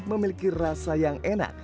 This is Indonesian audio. memiliki rasa yang enak